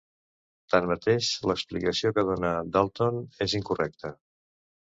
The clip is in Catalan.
Tanmateix l'explicació que donà Dalton és incorrecte.